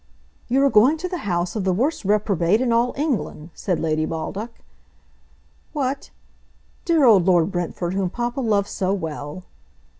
"You are going to the house of the worst reprobate in all England," said Lady Baldock. "What; dear old Lord Brentford, whom papa loved so well!"